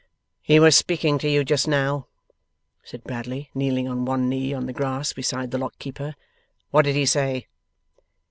'He was speaking to you just now,' said Bradley, kneeling on one knee on the grass beside the Lock keeper. 'What did he say?